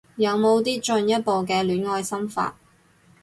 有冇啲進一步嘅戀愛心法